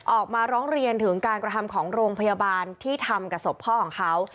ออกมาร้องเรียนถึงการกระทำของโรงพยาบาลที่ทำกับศพพ่อของเขา